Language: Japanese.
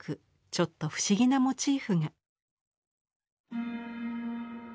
ちょっと不思議なモチーフが。